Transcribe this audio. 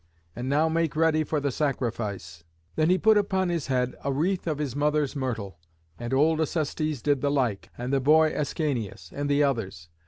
And now make ready for the sacrifice." Then he put upon his head a wreath of his mother's myrtle. And old Acestes did the like, and the boy Ascanius, and the others.